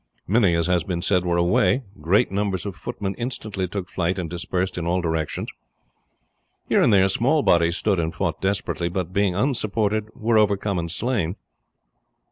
Many, as has been said, were away; great numbers of footmen instantly took flight and dispersed in all directions. Here and there small bodies stood and fought desperately, but being unsupported were overcome and slain.